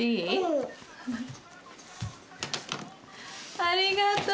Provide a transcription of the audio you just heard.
ありがとう。